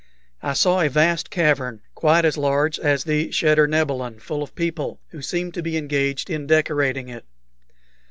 I saw a vast cavern, quite as large as the cheder nebilin, full of people, who seemed to be engaged in decorating it.